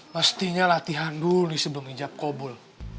pastinya latihan dulu nih sebelum ngincap kobol